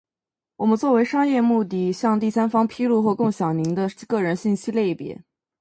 我们为商业目的向第三方披露或共享的您的个人信息类别；